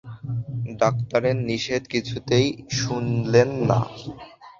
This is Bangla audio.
ডাক্তারের নিষেধ কিছুতেই শুনিলেন না।